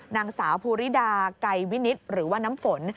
นางสาวภูริดาไกรวินิตหรือว่าน้ำฝน